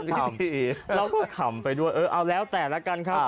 เราก็ขำไปด้วยเออเอาแล้วแต่ละกันค่ะ